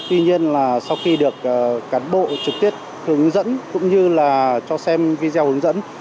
tuy nhiên là sau khi được cán bộ trực tiếp hướng dẫn cũng như là cho xem video hướng dẫn